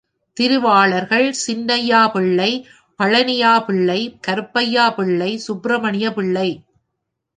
திருவாளர்கள் சின்னையாபிள்ளை, பழனியாபிள்ளை, கருப்பையாபிள்ளை, Subramania Pillai.